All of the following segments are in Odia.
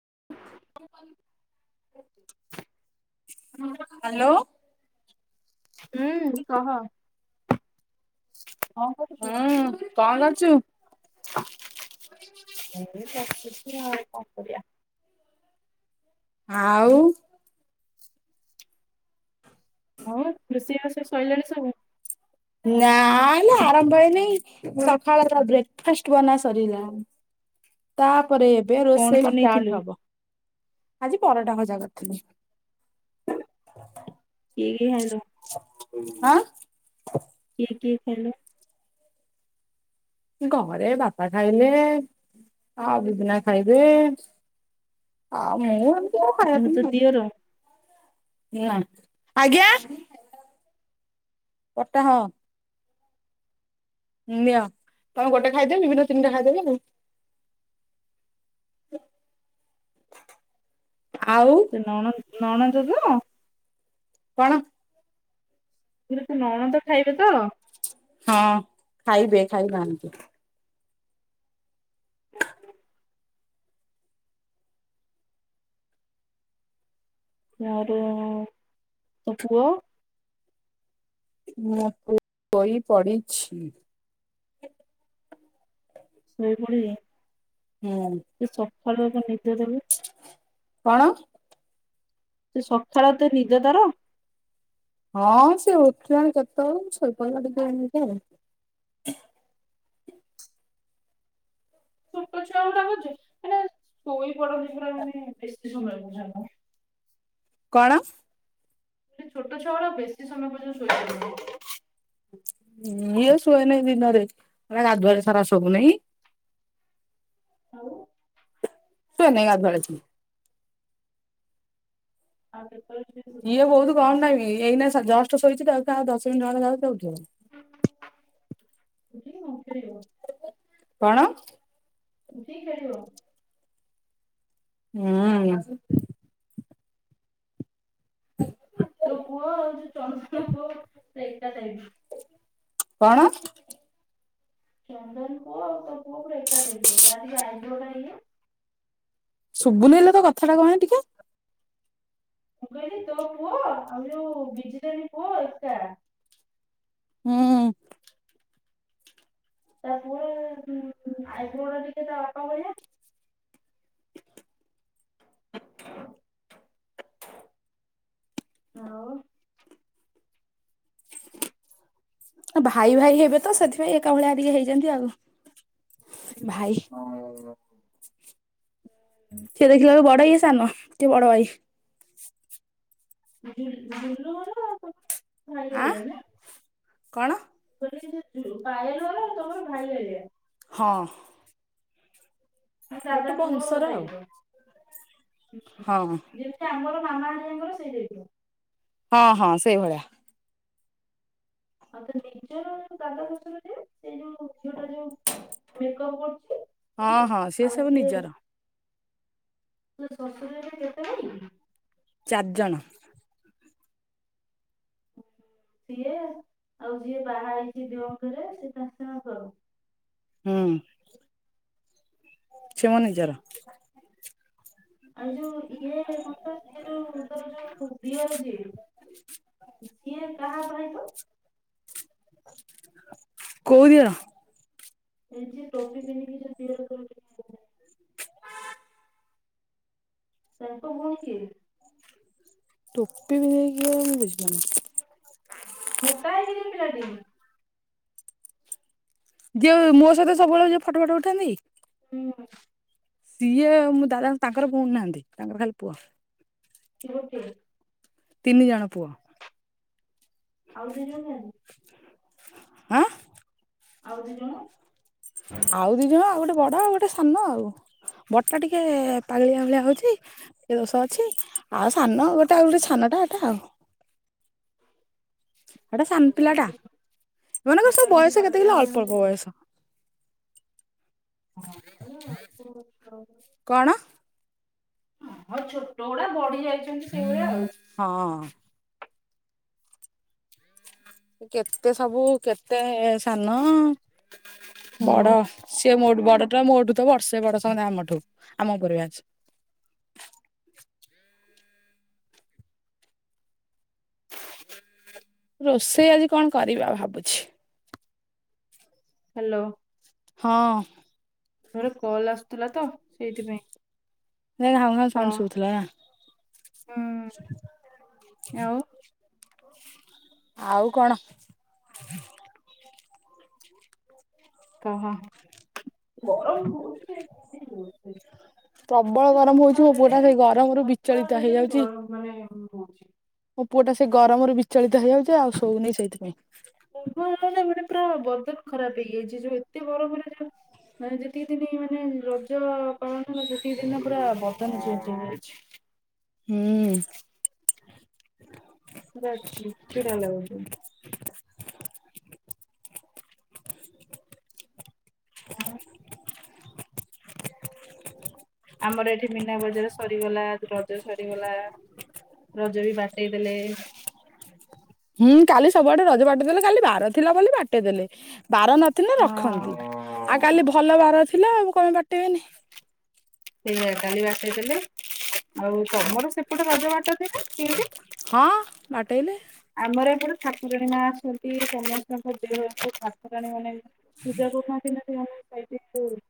ହ୍ୟାଲୋ ହୁଁ କହ କଣ ହୁଁ କଣଙ୍ଗ ଚ ହଁ ଏ ସଛି କଣ କରିବାଆ ଆଉ ହଉ କୃଷି ଆ ସେ ଶୋଇଲାାଣି ସବୁ ସକାଳେ ତା ବ୍ରେକ୍ଫାଷ୍ଟ ବନା ସରିଲା ତା ତା ପରେ ଏବେ କଣ ରୋଷେଇ ବନେଇଥିଲୁ? ଷ୍ଟାର୍ଟ ହବ ଆଜି ପରଟା ଖଜା କରିଥିଲି ଠ ହ୍ୟାଲୋ ହଁ କିଏ କିଏ ଖଲ ଘରେ ଭସା ଖାଇଲେ ଆଉ ବିଦିନା ଖାଇଲେ ଆଉ ମୁଁ ଆଉ ଏ ତ ଦିଅର ହୁଁ ଆଜ୍ଞା ପଟାହ ହ ନିଅ ତମେ ଗୋଟେ ଖାଇଦେବେ ବିଭିନ୍ନ ତିନିଟା ଖାଇଦେବେ ଆ ତ ନ ନା ନଣଛ ତୁ କଣ ପରେ ତ ନଣ ତ ଖାଇବେ ତ ହଁ ଖାଇବେ ଖାଇବାହାନ୍ତି ହ ଆର ତାପୁଆ ମୁଁ ବହି ପଡିଛି। ଶୋଇ ପିବ ହୁଁ ସେ ସକାଳ ବା ନିଦେ ଦେଲେ କଣ? ସେ ସକାଳ ତ ନିଜ ତାର ହଁ ସେ ଉଠିଲଣି କେତେ ସପ ଟିକେ ଏ ଆଉ। ଛଟ ଛୁଆ ତା କରୁଛି ମାନ ଶୋଇ ପଡ ପ ମାନେ ବେଶୀ ସମୟ ବୁଝା କଣ? ଛୋଟ ଛୁଆଡ ବେଶୀ ସମୟ ପର୍ଯ୍ୟନ୍ତ ଶୋଇପ ୟସୁ ଏନାଇ ଦିନରେ ଏରା ରାଧୁରେ ସାରା ସବୁନେହିଁ। ହୋଉ। ଶୁ ନହି ଗଧ ଭଡଛ ଆ [inaudible] ଇଏ ବହୁତ କମ ଟାଇମ ଏଇନା ଜଷ୍ଟ ଶୋଇଛି ତାକୁ ଆଉ ଦଶମିନିଟଣ ଯା ଯଉଠିଉ ଯ ମୁଁ ଫରେ ହ [inaudible] କଣ? ଯ ଖୁ [inaudible] ହୁଁ। ତୋ ପୁଅ ଆଉ ଯୋଉ ଚନ୍ଦନ ପୁଅ ପୁରା ଏକା ଟାଇପ୍ ର କଣ? ଚନ୍ଦନ ଖୁ ଆ ତ ଖୁ ରେକାର ହେଇ ତାଜି ଆଇଟାଇ ଶୁଭୁନ ହେଲେ ତୋ କଥା ଟା କଣ ପାଇଁ ଟିକେ ମୁଁ କହିଲି ତୋ ପୁହ ଆମ ଯୋଉ ବିଜି ଦେଇ ପୁଅ ଏକା ହୁଁ। ତାପ ପୁଅ ଆଇବ୍ରୋ ଉରା ଟିକେ ତା ବାପା ଭଳିଆ। ହ [inaudible] ଆଉ ଭାଇ ଭାଇ ହେବେ ତ ସେଥିପାଇଁ ଏକା ଭଳିଆ ଟିକେ ହେଇଛନ୍ତି ଆଉ। ଭାଇ। ହ [inaudible] ସେ ଦେଖିଲା ବେଳୁ ବଡ ଇଏ ସାନ ସେ ବଡ ଭାଇ। ଆଁ [inaudible] କଣ? ପାର ତମର ଭାଇଜଆ [inaudible] ହଁ। ମାନେ ଦାଦା ଗୋଟେ ପୁଅ ବଂଶର ଆଉ। ଟାଇପ୍ ର ହଁ ଯେମିତି ଆମର। ରଙ୍ଗାଳଙ୍କର ସେଇୁ [inaudible] ହଁ ହଁ ସେଇଭଳିଆ। ଆଉ ତ ନିଜର ଦାଦା ଶଶୁର ସେ ଯୋଉ ଝିଅ ଟା ଯୋଉ ମେକଅପ କରୁଛି। ହଁ ହଁ ସିଏ ସେ ସବୁ ନିଜର। ତୋ ଶଶୁର ହେରିକା କେତେ ଭାଇ କି? ଚାରି ଜଣ। ସିଏ ଆଉ ଯିଏ ବାହା ହେଇଛି ଦେଅ ଘରେ ସିଏ ତା ସାଙ୍ଗର। ହୁଁ ସେମୋ ନିଜର। ଆଉ ଯୋଉ ଇଏ ଯୋଉର ଯୋଉିଅର ଯ ସିଏ କାହା ପାଇଁ ତ [unintelligible] କୋଉ ଦିଅର ଏ ଟ୍ରଫି ବିନ କିୟ [unintelligible] ସ ତ ହୋଇ [unintelligible] ଟୋପି ପିନ୍ଧିକି କିଏ ମୁଁ ବୁଝିପାରୁନି। ମୋଟା ହେଇକି ଯୋଉ ପିଲାଟେ ଯେ ମୋ ସହିତ ସବୁବେଳଳେ ଯିଏ ଫଟୋ ଫଟ ଉଠାନ୍ତି କି ହୁଁ ସିଏ ମୁଁ ଦାଦା ତାଙ୍କର ଭଉଣୀ ନାହାନ୍ତି ତାଙ୍କର ଖାଲି ପୁଅ। ଝିଅଟେ, ତିନି ଜଣ ପୁଅ, ଆଉ ଦୁଇ ଜଣ, ଆଁ, ଆଉ ଦି ଜଣ, ଆଉ ଦି ଜଣ ଆଉ ଗୋଟେ ବଡ ଆଉ ଗୋଟେ ସାନ ଆଉ ବଡଟା ଟିକେ ପାାଗିଳିଆ ଭଳିଆ ହଉଛି ଟିକେ ଦୋଷ ଅଛି ଆଉ ସାନ ଗୋଟେ ଆଉ ଗୋଟେ ସାନଟା ଏଟା ଆଉ। ଏଟା ସାନ ମୋଟା ପିଲା ଟା କେମିତି ଏମାନଙ୍କର ମୋଟା ସବୁ କେମିତି ବୟସ କେତେ ପାଗେଳିଆ କିଲ ଭଳିଆ ଅଳ୍ପ ଅଳ୍ପ ହଉଛି ବୟସ। [unintelligible] କ, 'ଣ? ଆଉ ଛୋଟ ଗୁଡା ବଢି ଯାଇଛନ୍ତି ସେଇଭଳିଆ ଆଉ। ହଁ କେତେ ସବୁ କେତେ ସାନ ଆଉ। ବଡ ସିଏ ମୋଠୁ ବଡ। ମୋଠୁ ତ ବର୍ଷେ ବଡ ସେମାନେ ଆମଠୁ ଆମ ଉପର ବ୍ୟାଚ ରୋଷେଇ ଆଜି କଣ କରିବା ଭାବୁଛି ହ୍ୟାଲୋ ହଁ ମୋର କଲ ଆସୁଥିଲା ତ, ସେଇଥିପାଇଁ ଘାଉଁ ଘାଉଁ ହଁ ସାଉଣ୍ଡ ଶୁଭୁଥିଲାନାଁ ହୁଁ ଆଉ ଆଉ କ'ଣ? କହ [unintelligible] ପ୍ରବଳ ସେ ଗରମ ସକାଳ ହଉଛି ମୋ ପୁଅ ହେଲେ ଟା ବି ସେଇ ଗରମରୁ ବିଚଳିତ ହେଇଯାଉଛି। ହଁ ମୋ ପୁଅ ଟା ସେ ଗରମରୁ ବିଚଳିତ। ହେଇଯାଉଛି ଆଉ ଶୋଉନି ସେଇଥିପାଇଁ। ମାନେ ମୁହଁରେ ପୁରା ବଦନ ଖରାପ ହେଇଯାଇଛି ଯୋଉ ଏତେ ଗରମ ଯଉ ମାନେ ଯେତିକି ଦିନ ମାନେ ରଜ ପାଳନ ହେଲା ସେତିକି। ଦିନ ପୁରା ବଦନ ଚେଞ୍ଜ ହୋଇଯାଇଛି। ହୁଁ [unintelligible] ପୁରା ଚିଡ ଚିଡା ଲାଗୁଛି। [unintelligible] ଆମର ଏଠି ମୀନା ବଜାର ସରିଗଲା ରଜ ସରିଗଲା ରଜ ବି ଦେଇଦେଲେ। ହୁଁ କାଲି ସବୁଆଡେ ରଜ ବାଟେଇ ଦେଲେ କାଲି ବାର ଥିଲା ବୋଲି ବାଟେଇ ଦେଲେ। ବାର ନଥିଲେ ହଁ ରଖନ୍ତି ଆଉ କାଲି ଭଲ ବାର ଥିଲା ଆଉ କଣ ବାଟେଇବେନି ସେ କାଲି ବାଟେଇ ଦେଲେ। ଆଉ ତମର ସେପଟେ ରଜ ବାଟନ୍ତି ନା ସିନ୍ତି। ହଁ ବାଟେଇଲେ ଆମର ଏପଟେ ଠାକୁରାଣୀ ମା ଅଛନ୍ତି ସମସ୍ତଙ୍କ ଦେହ ଠାକୁରାଣୀ ମାନେ ପୂଜା କରୁଥାନ୍ତି ନା ସେମାନେ। [unintelligible]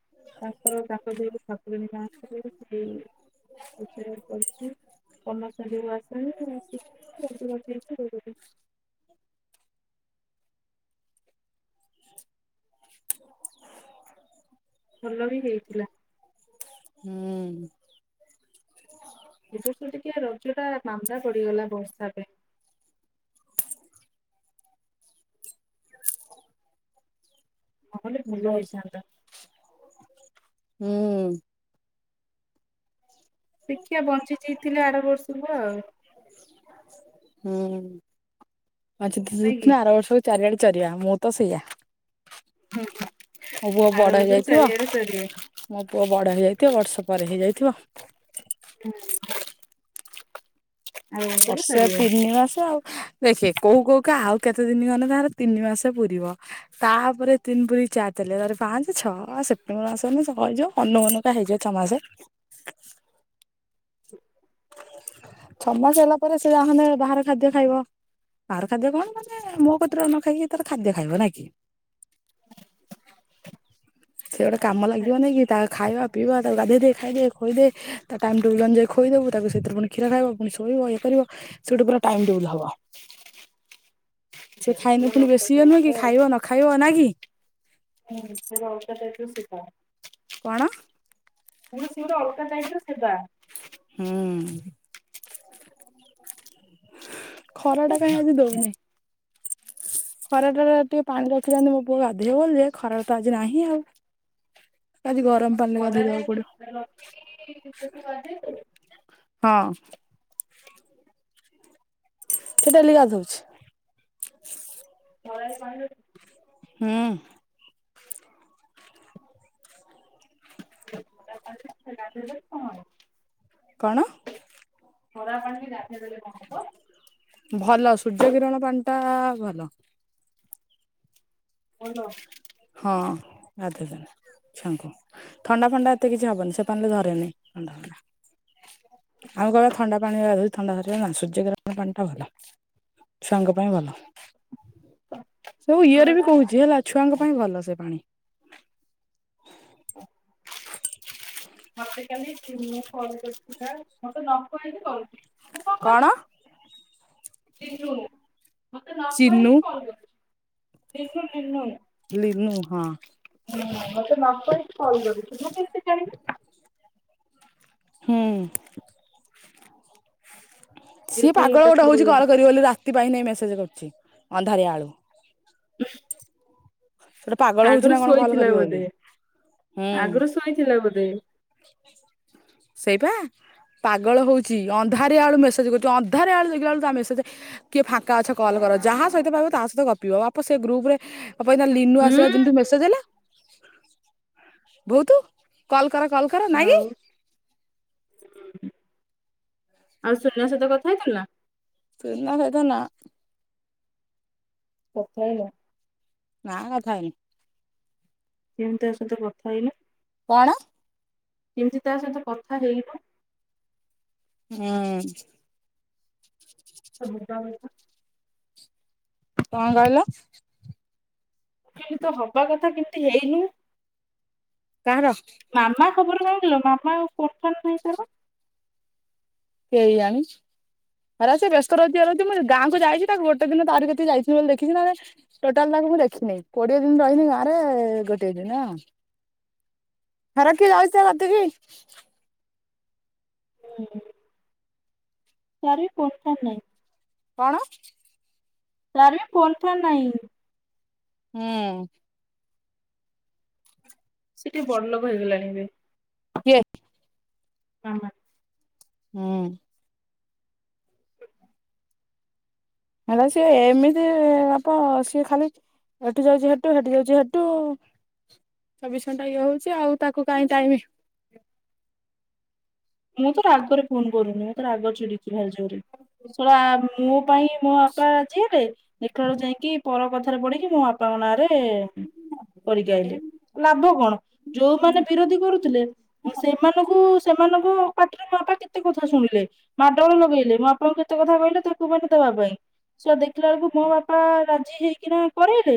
ତାଙ୍କର ତାକ ଦେହ ଠାକୁରଣୀ ନା ଆସ [inaudible] ଭଲ ବି ହେଇଥିଲା। ହୁଁ। ଏବ ବର୍ଷ ଟିକେ ରଜ ଟା ମାନ୍ଦା ପଡିଗଲା ବର୍ଷା ପାଇଁ। ନହଲେ ହୁଁ ଭଲ ହେଇଥାନ୍ତା। ହୁଁ। ଦେଖିିବା ବଞ୍ଚି ଜିଇଥିଲେ ଆର ବର୍ଷ। ତମ ହୁଁ। ନାଇଁ କି ଆର ବର୍ଷକୁ ଚାରିଆଡେ ଚରିବା ମୁଁ ତ ସେଇଆ। ହୁଁ ମୋ ପୁଅ ଆର ବଡ ବର୍ଷକୁ ହେଇଯାଇଥିବ। ଚାରିଆଡେ ସରିବେ ମୋ ପୁଅ ବଡ ହେଇଯାଇଥିବ। ବର୍ଷେ ପରେ ହେଇଯାଇଥିବ। ଆର ବର୍ଷକୁ ବର୍ଷେ ସରିବେ। ତିନି ମାସ ଆଉ ଦେଖେ କୋଉ କୋଉ କ ଆଉ। କେତେ ଦିନ ଗଲେ ତାର ତିନି ମାସ ପୁରିବ ତାପରେ ତିନି ପୁରି ଚାରି ଚାଲିବ ତପରେ ପାଞ୍ଚ ଛଅ ସେପ୍ଟେମ୍ବର ମାସଇଯାଉ ଅନଉ ଅନଉକା ହେଇଯିବ ଛଅ ମାସେ। ଛଅ ମାସ ହେଲା ପରେ ସେ ଆସନ୍ତେ ବାହାର ଖାଦ୍ୟ ଖାଇବ ବାହାର ଖାଦ୍ୟ କଣ ମାନେ ମୋ କତରେ ନ ଖାଇକି ତାର ଖାଦ୍ୟ ଖାଇବ ନାଇଁ କି। ସେ ଗୋଟେ କାମ ଅଲଗା ଲାଗିବ ଟାଇପ ନାଇଁ କି ତାକୁ ଖାଇବା ପିଇବା ତାକୁ ଗାଧେଇ ଦେ ଖାଇଦ ଖଇଦ ତା ଟାଇମ ଟେବୁଲ ଅନୁଯାୟୀ ଖୋଇଦବ ତାକୁ ସେଥିରେ ପୁଣି କ୍ଷୀର ଖାଇବ ପୁଣି ଶୋଇବ ଇଏ କରିବ ସେ ଗୋଟେ ପୁରା ଟାଇମ ଟେବୁଲ ହବ। ସେ ଖାଇନି ର ପୁଣି ବେଶୀ ହ ନୁହେ କି ଖାଇବ ନ ଖାଇବ। ନା କି। ହୁଁ ସେ ରଉତ ତା ସେଧା [inaudible] କଣ? ମୁଁ ସିଏ ଗୋଟେ ଅଲଗା ଟାଇପ୍ ର କି। ହୁଁ। [inaudible] ଖରା ଟା କାହିଁ ଆଜି ଦଉନି। ଖରା ଟାରେ ଆଜି ଟିକେ ପାଣି ରଖିଥାନ୍ତି ମୋ ପୁଅ ଗାଧିବ ବୋଲି ଯେ ଖରା ତ ଆଜି ନାହିଁ ଆଉ। ଆଜି ଗରମ ପାଣିରେ ଗାଧେଇ ଭଲରେ ଦେବାକୁ ପଡିବ ରଖିକି ତାକୁ ଗାଧେଇବୁ। ହଁ ସେ ଡେଲି ଗାଧଉଛି। [inaudible] ହଁ ଖରା [inaudible] କଣ‍‍ ଣ ଦେଖେଇ ଦେଲେ କଣବ ଭଲ ସୂର୍ଯ୍ୟକିିରଣ ପାଣି ଟା ଭଲ ହଉ ତ ହଁ ଗଧୁ ଛୁଆଙ୍କୁ ଥଣ୍ଡା ଫଣ୍ଡା ଏତେ କିଛି ହବନି ସେ ପାଣି ଧରେନି ଆଉ କଣ ଥଣ୍ଡା ପାଣିରେ ଗାଧୋଇ ଥଣ୍ଡା ଧରିବ ନା ସୂର୍ଯ୍ୟକିରଣ ପାଣି ଟା ଭଲ ଛୁଆଙ୍କ ପାଇଁ ଭଲୁ ଇଏରେ ବି ଖରା ଟା କହୁଛି ହେଲା ଛୁଆଙ୍କ ପାଇଁ ଭଲ ସେ ପାଣି ମୋତେ କାଲି ଚିନୁ ଫୋନ କରିଥିଲା ମୋତେ ନ କହିକି ଫୋନ କରିଥିଲା କଣ ସେ ରୁମ ମତେ ନ ଚିନୁ କହିକି କଲ କରିଛୁ ସେ ଯୋଉ ନିନୁ ଲିନୁ ହଁ ହୁଁ ମତେ ନ କରିକି କଲ୍ କରୁଛି ମୁଁ କେତେ ଜାଣିବି। ହୁଁ ଯେ ସିଏ କି ପାଗଳ ଗୋଟେ ତାକୁ ହଉଛି କଲ୍ କରିବ ବୋଲି ରାତି ପାଇଁ ନେଇ ମେସେଜ କରୁ ଚି ଅନ୍ଧାରିଆ ଆଳୁ [inaudible] ଗୋଟେ ପାଗଳ ହଉଛି ନା ଆଗରୁ କଣ କଲ୍ ଶୋଇଥିଲା କରିବ ବୋଧେ ବୋଲି ହୁଁ ଆଗରୁ ଶୋଇଥିଲା ବୋଧେ ସେଇପା ପାଗଳ ହଉଛି ଅନ୍ଧାରି ଆଳୁ ମେସେଜ କରୁଛି ଅନ୍ଧାର ଆଳୁ ଦେଖିଲା ବେଳୁ ତା ମେସେଜ କିଏ ଫାଙ୍କା ଗଛ କଲ୍ କର ଯାହା ସହିତ ପାଇବ ତା ସହିତ ଗପିବ ବାପ ସେ ଗ୍ରୁପ ରେ ଆଉ ପାଇଁ ଲିନୁ ହୁଁ ଆସିଲା ଦିନୁ ମେସେଜ ଲୋ ବହୁ ତୁ କଲ କର କଲ କର ନାଇଁ ଆଉ କି ଆଉ ସୁନା ସହିତ କଥା ହେଇଥିଲୁ ନା। ସୋନା ସହିତ ନା ପଥାଇନ ନା କଥାଇନି ସେମିତି ତା ସହିତ କଥା ହେଇନ କଣ କେମିତି ତା ସହିତ କଥା ହେଇବ ହୁଁ [unintelligible] କଣ କହିଲ କି ତ ହବା କଥା କେମତି ହେଇନୁ କାହାର ମାମା ଖବର ଲାଗିଲ ବାପା କୋର୍ଠାତ ଭାଇ ତାର କେହି ଆଣି ଖରା ସେ ବ୍ୟସ୍ତ ରହିଛି ରଛି ମୁଁ ଗାଁକୁୁ ଯାଇଛି ତାକୁ ଗୋଟେ ଦିନ ତାର କେତ ଯାଇ ବୋଲି ଦେଖିଛି ନହଲେ ଟୋଟାଲ ତାକୁ ମୁଁ ଦେଖିନହିଁ କୋଡିଏ ଦିନ ରହିନି ଗାଁରେ ଗୋଟିଏ ଦିନ ଖରା କିଏ ଯାଉଛି ରାତିକି ହୁଁ ସାର୍ ବି ପୋଷ୍ଟଠାର ନାହିଁ। କଣ? ତାର ବି ଫୋନ୍ ଫାନ ନାହିଁ। ହୁଁ। ସେଠି ବଡଲୋକ ହେଇଗଲାଣି ଏବେ। କିଏ? ମାମା ହୁଁ। ହେଲା ସିଏ ଏମିତି ବାପ ସିଏ ଖାଲି ଏଠି ଯାଉଛି ହେଠୁ ହେଠି ଯାଉଛି ହେଠୁ ଚବିଶ ଘଣ୍ଟା ଇଏ ହଉଛି ଆଉ ତାକୁ କାହିଁ ଟାଇମ ମୁଁ ତୋର ରାଗରେ ଫୋନ୍ କରୁନି ମୁଁ ତୋର ରାଗ ଚୁଡ଼ିି ସେ ଜୋରେ ସୋରା ମୋ ପାଇଁ ମୋ ବାପା ଆଜି ହେରେ ଲେଖଳୁ ଯାଇକି ପର କଥାରେ ପଢିକି ମୋ ବାପାଙ୍କ ନାଁ ରେ କରିକାଇଲେ ଲାଭ କଣ ଯୋଉମାନେ ବିରୋଧୀ କରୁଥିଲେ ସେମାନଙ୍କୁ ସେମାନ ପାଟିରେ ମୋ ବାପା କେତେ କଥା ଶୁଣିଲେ ମାଟ ଲଗେଇଲେ ମୋ ବାପାଙ୍କୁ କେତେ କଥା କହିଲେ ତାକୁ ମାନେ ଦେବା ପାଇଁ ସୁଆ ଦେଖ ସେତ ବେଳକୁ ମୋ ବାପା ହେଇକିନା କରାଇଲେ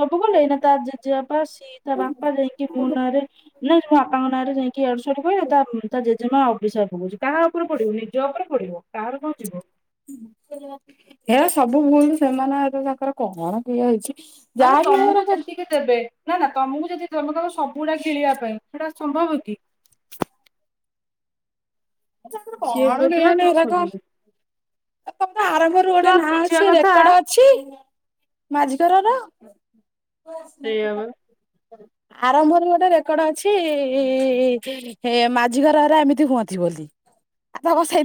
ସବୁ କ ନେଇନା ତା ଜେ ଅ ବାପା ସିଏ ତା ବାପା ଯାଇକି ମୋ ନାଁରେ ନାପାଙ୍କ ହରେ ଯାଇ କିୁ ସୁ କହିଲେ ତା ଜେଜେମା ଓ ବିଡ଼ିଶରେ ପକଛଛି କାହା ଉପରେ ପଡିବ ନିଜ ଉପରେ ପଢଡିବ କାହାର କଣ ଯିବ ହେ ସବୁ ଭୁଲ ସେମାନେ ଏବେ ତାଙ୍କର କଣ କିଏ ହେଇଛି। ଆଲେ ଯାହାବି ହେଉ ତମକୁ ଏରାକ ଯେତିକି ଦେବେ ନା ନା ତମକୁ ଯଦି ତମ ସବୁଡା କିଳିବା ପାଇଁ ସେଟା ସମ୍ଭବ କି ସିଏ କଣ ବ୍ରତ ନା ନିନ ତୁ ସବୁବ୍ରତ। କଣମର ଆରମ୍ଭରୁ ଗୋଟେ ଛୁଆ ନାଁ ବୁଝିବା ଅଛି କଥା ରେକର୍ଡ ଅଛି ମାଝଘରର ହଁ। ହନ ସେଇଆ ବା। ତ ଆରମ୍ଭର ଗୋଟେ ରେକର୍ଡ ଅଛି ମାଝି ଘରରେ ଏମିତି ହୁଅନ୍ତି ବୋଲି। ଆ ତ ବ ସେ